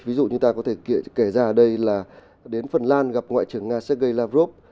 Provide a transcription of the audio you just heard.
ví dụ chúng ta có thể kể ra ở đây là đến phần lan gặp ngoại trưởng nga sergei lavrov